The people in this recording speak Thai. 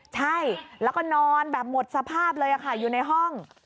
ใช่แล้วก็นอนแบบหมดสภาพเลยค่ะอยู่ในห้อง